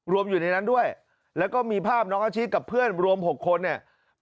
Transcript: รวมอยู่ในนั้นด้วยแล้วก็มีภาพน้องอาชิกับเพื่อนรวม๖คนเนี่ย